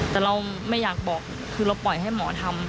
แต่เราไม่อยากบอกคือเราปล่อยให้หมอทำ